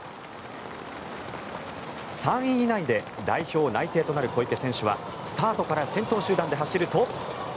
３位以内で代表内定となる小池選手はスタートから先頭集団で走ると。